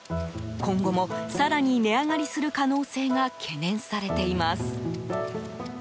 今後も更に値上がりする可能性が懸念されています。